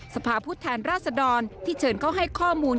สภาพผู้แทนราษดรที่เชิญเข้าให้ข้อมูล